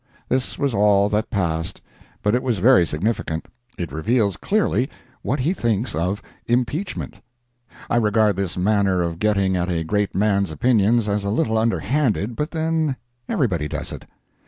This was all that passed, but it was very significant. It reveals clearly what he thinks of impeachment. I regard this manner of getting at a great man's opinions as a little underhanded, but then everybody does it.